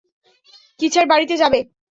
কিছার বাড়িতে যাবে?